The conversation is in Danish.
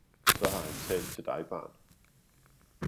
Så han har talt til dig, barn!